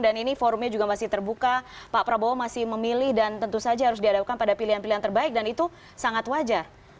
dan ini forumnya juga masih terbuka pak prabowo masih memilih dan tentu saja harus diadakan pada pilihan pilihan terbaik dan itu sangat wajar